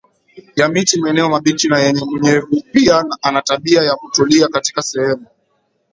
ya miti maeneo mabichi na yenye unyevupia ana tabia ya kutulia katika Sehemu